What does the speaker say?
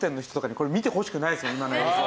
今の映像。